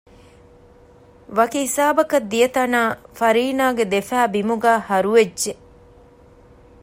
ވަކި ހިސާބަކަށް ދިޔަތަނާ ފަރީނާގެ ދެފައި ބިމުގައި ހަރުވެއްޖެ